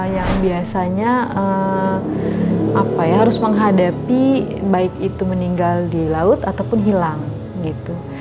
yang biasanya harus menghadapi baik itu meninggal di laut ataupun hilang gitu